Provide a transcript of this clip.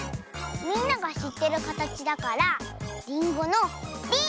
みんながしってるかたちだからりんごの「り」！